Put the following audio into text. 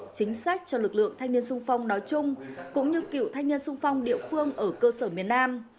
chính sách cho lực lượng thanh niên sung phong nói chung cũng như cựu thanh niên sung phong địa phương ở cơ sở miền nam